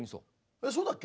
えっそうだっけ？